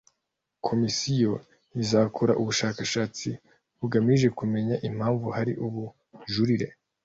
Komisiyo izakora ubushakashatsi bugamije kumenya impamvu hari ubujurire